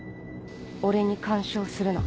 「俺に干渉するな」